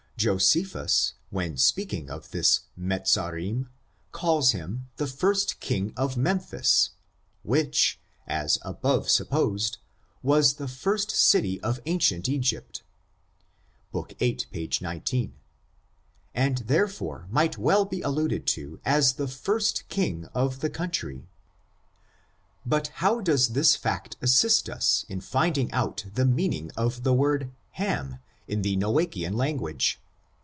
Josephus, when speaking of this Mezarim^ calls him the^r*^ king of Memphis, which, as above sup posed, was the first city of ancient Egypt (book viii, p. 19), and, therefore, might well be alluded to as the first king of the country. But how does this fact assist us in finding out the meaning of the word Ham, in the Noachian lan guage?